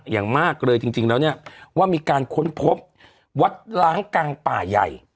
อย่างมากเลยจริงแล้วเนี่ยว่ามีการค้นพบวัดล้างกลางป่าใหญ่